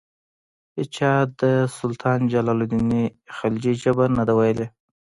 هیچا د سلطان جلال الدین خلجي ژبه نه ده ویلي.